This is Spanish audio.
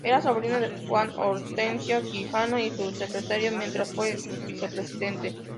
Era sobrino de Juan Hortensio Quijano y su secretario mientras fue vicepresidente.